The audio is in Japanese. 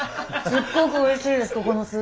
すっごくおいしいです